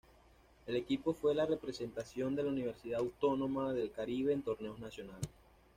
El equipo fue la representación de la Universidad Autónoma del Caribe en torneos nacionales.